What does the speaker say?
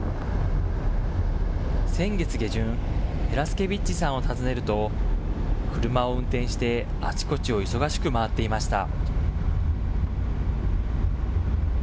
先月下旬、ヘラスケビッチさんを訪ねると、車を運転して、あちこちを忙しく回っていました。